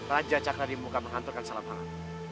raja cakradimuka menganturkan salamangat